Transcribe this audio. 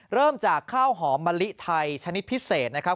เริ่มจากข้าวหอมมะลิไทยชนิดพิเศษนะครับ